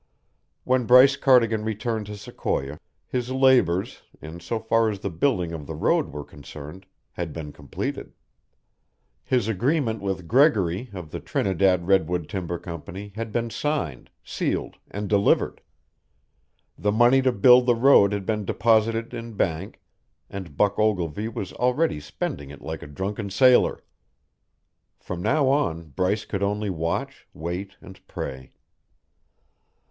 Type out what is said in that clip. When Bryce Cardigan returned to Sequoia, his labours, insofar as the building of the road were concerned, had been completed. His agreement with Gregory of the Trinidad Redwood Timber Company had been signed, sealed, and delivered; the money to build the road had been deposited in bank; and Buck Ogilvy was already spending it like a drunken sailor. From now on, Bryce could only watch, wait, and pray.